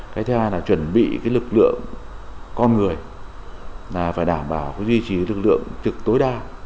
cái thứ hai là chuẩn bị cái lực lượng con người là phải đảm bảo duy trì lực lượng trực tối đa